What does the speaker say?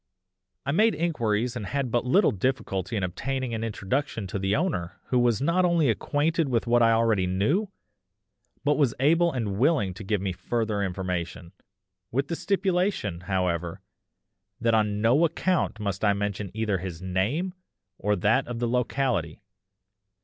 I made inquiries and had but little difficulty in obtaining an introduction to the owner who was not only acquainted with what I already knew, but was able and willing to give me further information, with the stipulation, however, that on no account must I mention either his name or that of the locality.